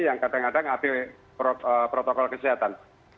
yang kadang kadang ngabai protokol kesehatan